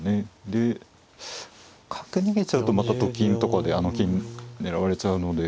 で角逃げちゃうとまたと金とかであの金狙われちゃうので。